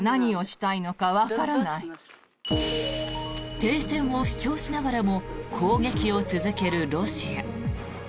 停戦を主張しながらも攻撃を続けるロシア。